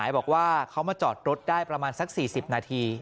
บอกว่าเขามาจอดรถได้ประมาณสัก๔๐นาที